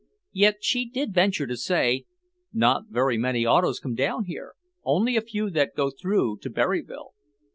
Yet she did venture to say, "Not very many autos come down here, only a few that go through to Berryville.